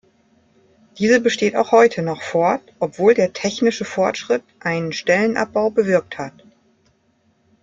Diese besteht auch heute noch fort, obwohl der technische Fortschritt einen Stellenabbau bewirkt hat.